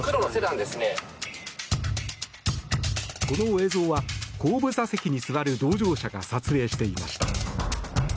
この映像は後部座席に座る同乗者が撮影していました。